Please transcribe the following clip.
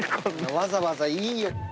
わざわざいいよ。